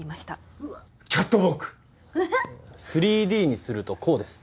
３Ｄにするとこうです。